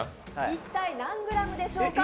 一体何グラムでしょうか。